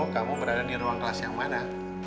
kamu berada di ruang kelas yang mana